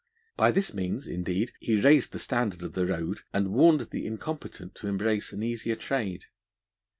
By this means, indeed, he raised the standard of the Road and warned the incompetent to embrace an easier trade.